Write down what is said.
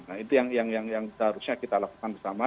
nah itu yang seharusnya kita lakukan bersama